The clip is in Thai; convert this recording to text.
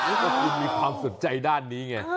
ก็คุณมีความสนใจด้านนี้ไง